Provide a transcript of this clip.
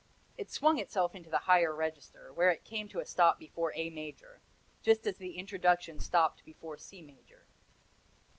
It swung itself into the higher register, where it came to a stop before A major, just as the introduction stopped before C major.